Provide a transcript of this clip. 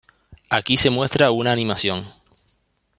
Aquí se muestra una animación.